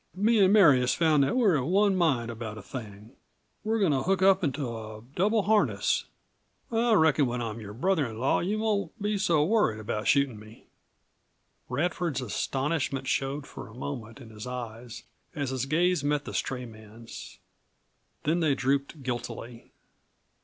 Me an' Mary has found that we're of one mind about a thing. We're goin' to hook up into a double harness. I reckon when I'm your brother in law you won't be so worried about shootin' me." Radford's astonishment showed for a moment in his eyes as his gaze met the stray man's. Then they drooped guiltily.